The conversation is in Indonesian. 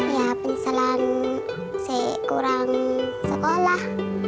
ya penyesalan sih kurang sekolah